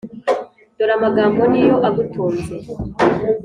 dore amagambo ni yo agutunze